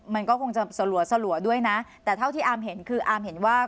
มันก็คงจะสลัวด้วยนะแต่เท่าที่อาร์มเห็นคืออาร์มเห็นว่า